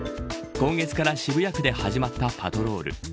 今月から渋谷区で始まったパトロール。